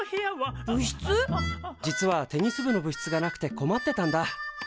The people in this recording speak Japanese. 実はテニス部の部室がなくて困ってたんだ。